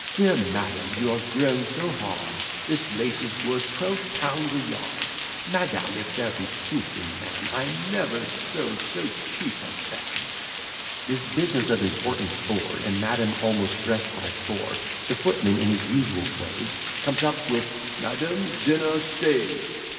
Dear madam, you are grown so hard This lace is worth twelve pounds a yard: Madam, if there be truth in man, I never sold so cheap a fan." This business of importance o'er, And madam almost dress'd by four; The footman, in his usual phrase, Comes up with, "Madam, dinner stays."